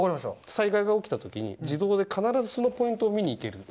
災害が起きたときに、自動で必ずそのポイントを見に行ける。